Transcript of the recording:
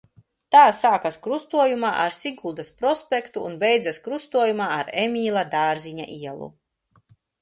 Tā sākas krustojumā ar Siguldas prospektu un beidzas krustojumā ar Emīla Dārziņa ielu.